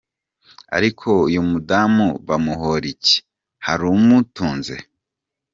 Ariko uyu mudamu bamuhora iki harumutunze ?.